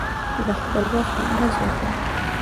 زه خپل وخت نه ضایع کوم.